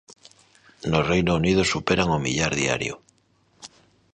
No Reino Unido superan o millar diario.